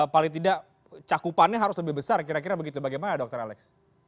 paling tidak cakupannya harus lebih besar kira kira begitu bagaimana dokter alex